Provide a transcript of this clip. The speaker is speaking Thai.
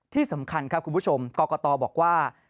ที่สำคัญครับคุณผู้ชมกรกตบอกว่า